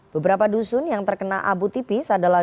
beberapa dusun yang terkena abu tipis adalah